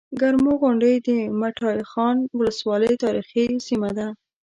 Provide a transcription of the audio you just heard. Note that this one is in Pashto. کرمو غونډۍ د مټاخان ولسوالۍ تاريخي سيمه ده